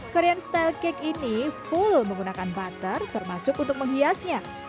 korean style cake ini full menggunakan butter termasuk untuk menghiasnya